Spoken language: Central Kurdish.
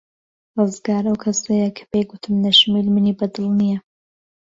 ڕزگار ئەو کەسەیە کە پێی گوتم نەشمیل منی بەدڵ نییە.